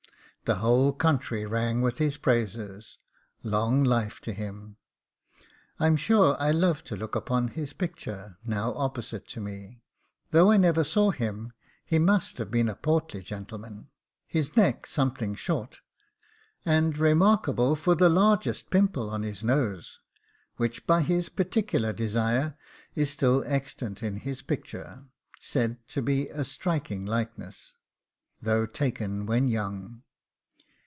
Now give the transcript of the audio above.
The whole country rang with his praises! long life to him! I'm sure I love to look upon his picture, now opposite to me; though I never saw him, he must have been a portly gentleman his neck something short, and remarkable for the largest pimple on his nose, which, by his particular desire, is still extant in his picture, said to be a striking likeness, though taken when young.